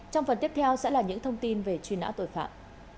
trong phần tiếp theo sẽ là những thông tin về truy nã tội phạm